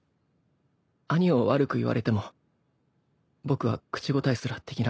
兄を悪く言われても僕は口答えすらできなかった。